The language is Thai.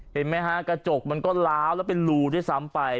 เห็นไหมฮะกระจกมันก็ล้าวแล้วเป็นรูด้วยซ้ำไป